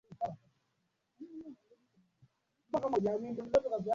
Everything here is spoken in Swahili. pia Kuna pia wahamiaji kutoka nchi za jirani za kandokando ya Bahari